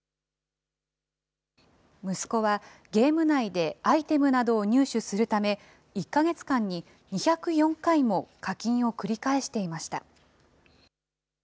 息子は、ゲーム内でアイテムなどを入手するため、１か月間に２０４回も課金を繰り返していました。